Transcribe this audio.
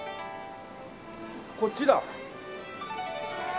こっちだ。